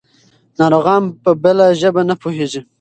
ناروغان په بله ژبه نه پوهېږي.